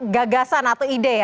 gagasan atau ide